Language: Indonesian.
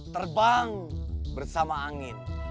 terbang bersama angin